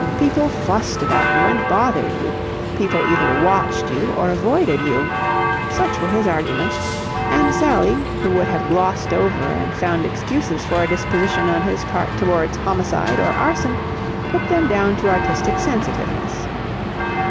People fussed about you and bothered you. People either watched you or avoided you. Such were his arguments, and Sally, who would have glossed over and found excuses for a disposition on his part towards homicide or arson, put them down to artistic sensitiveness.